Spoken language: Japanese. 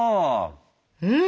うん！